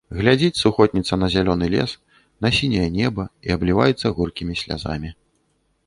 Глядзіць сухотніца на зялёны лес, на сіняе неба і абліваецца горкімі слязамі.